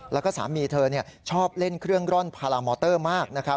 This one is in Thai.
แล้วก็สามีเธอชอบเล่นเครื่องร่อนพารามอเตอร์มากนะครับ